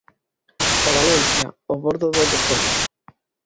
O Valencia, ao bordo do descenso.